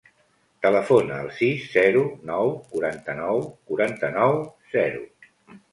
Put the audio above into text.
Telefona al sis, zero, nou, quaranta-nou, quaranta-nou, zero.